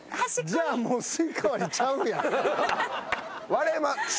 じゃあもうスイカ割りちゃうやん。